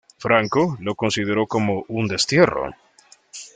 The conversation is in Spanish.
Franco lo consideró como un destierro.